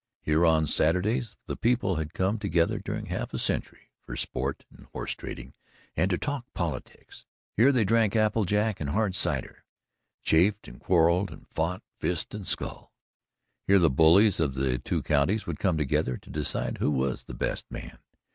Here on Saturdays the people had come together during half a century for sport and horse trading and to talk politics. Here they drank apple jack and hard cider, chaffed and quarrelled and fought fist and skull. Here the bullies of the two counties would come together to decide who was the "best man."